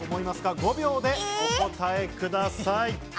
５秒でお答えください。